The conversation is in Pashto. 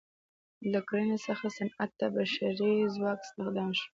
له کرنې څخه صنعت ته بشري ځواک استخدام شو.